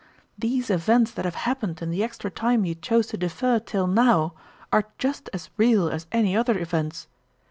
These events that have happened in the extra time you chose to defer till now are just as real as any other events.